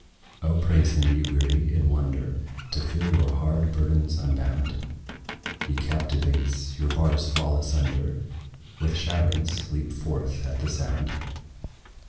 O praise him, ye weary, in wonder To feel your hard burdens unbound! Ye captives, your bars fall asunder; With shoutings leap forth at the sound.